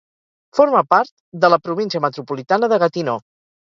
Forma part de la província metropolitana de Gatineau.